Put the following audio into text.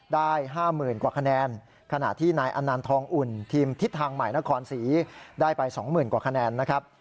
ได้๕๐๐๐กว่าคะแนนขณะที่นายอนันทองอุ่นทีมทิศทางใหม่นครศรีได้ไป๒๐๐๐กว่าคะแนนนะครับ